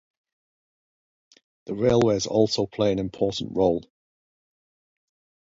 The railways also play an important role.